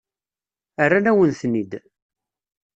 Rran-awen-ten-id.